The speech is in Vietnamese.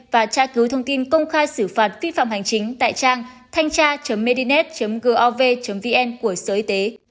và tra cứu thông tin công khai xử phạt vi phạm hành chính tại trang thanhcha medinet gov vn của sở y tế